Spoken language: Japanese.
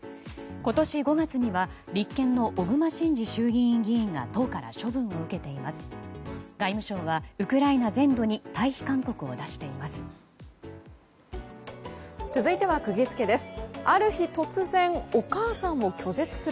今年５月には立憲の小熊慎司衆議院議員が党から処分を受けています。